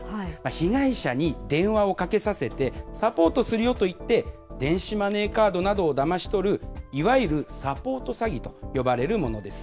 被害者に電話をかけさせて、サポートするよと言って、電子マネーカードなどをだまし取る、いわゆるサポート詐欺と呼ばれるものです。